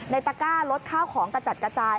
ตะก้ารถข้าวของกระจัดกระจาย